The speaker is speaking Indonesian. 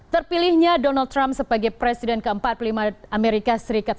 terpilihnya donald trump sebagai presiden amerika serikat